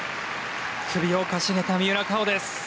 首をかしげた三浦佳生です。